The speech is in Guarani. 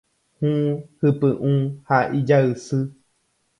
Hũ, hypy'ũ ha ijaysy.